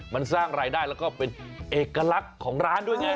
มันสร้างรายได้แล้วก็เป็นเอกลักษณ์ของร้านด้วยไง